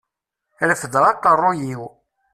Refdeɣ aqerruy-iw.